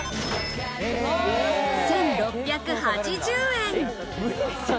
１６８０円。